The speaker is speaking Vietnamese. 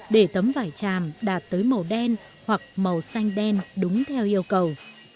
để tấm vải tràm đạt tới màu đen hoặc màu xanh đen đúng theo yêu cầu